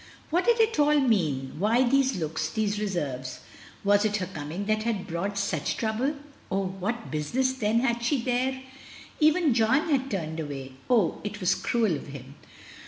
What did it all mean — why these looks, these reserves? Was it her coming that had brought such trouble? Oh! what business, then, had she there? Even John had turned away. Oh, it was cruel of him.